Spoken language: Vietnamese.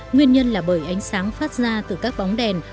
nguyên nhân là bởi ánh sáng phát ra từ các bóng đèn